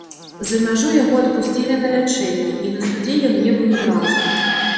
За мяжу яго адпусцілі на лячэнне, і на судзе ён не быў ні разу.